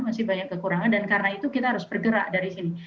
masih banyak kekurangan dan karena itu kita harus bergerak dari sini